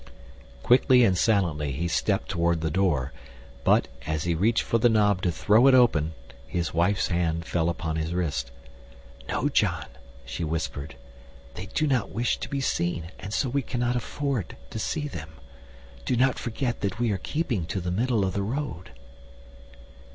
Quickly and silently he stepped toward the door, but, as he reached for the knob to throw it open, his wife's hand fell upon his wrist. "No, John," she whispered. "They do not wish to be seen, and so we cannot afford to see them. Do not forget that we are keeping to the middle of the road."